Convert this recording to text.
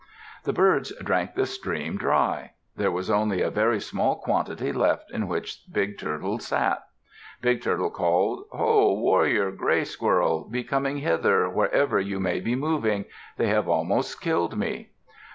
The birds drank the stream dry. There was only a very small quantity left in which Big Turtle sat. Big Turtle called, "Ho! warrior Gray Squirrel, be coming hither, wherever you may be moving. They have almost killed me."